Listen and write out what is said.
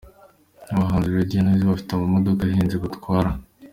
Aba bahanzi Radio na Weasel bafite amamodoka ahenze batwara.